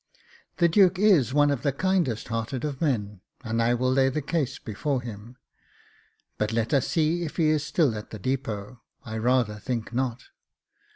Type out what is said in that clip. The Duke is one of the kindest hearted of men, and I will lay the case before him. But let us see if he is still at the depot j I rather think not."